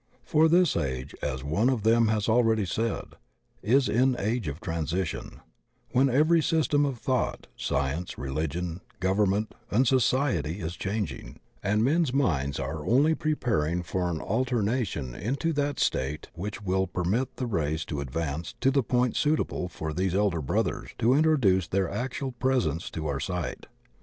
For this age, as one of them has already said, ''is an age of transition," when every system of thought, science, religion, government, and society is changing, and men's minds are only pre paring for an alteration into that state which wiQ per mit the race to advance to the point suitable for these elder brothers to introduce their actual presence to our sight.